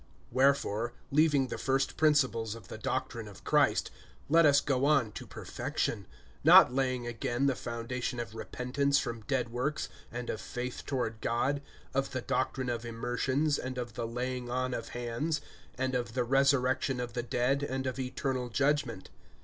WHEREFORE, leaving the first principles of the doctrine of Christ, let us go on to perfection; not laying again the foundation of repentance from dead works, and of faith toward God, (2)of the doctrine of immersions, and of the laying on of hands, and of the resurrection of the dead, and of eternal judgment.